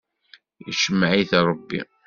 Icemmeɛ-it Ṛebbi.